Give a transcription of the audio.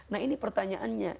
nah ini pertanyaannya